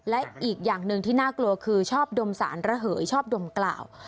และอีกอย่างหนึ่งที่น่ากลัวคือชอบดมสารระเหยชอบดมกล่าว